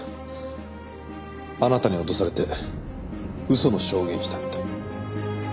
あなたに脅されて嘘の証言をしたって。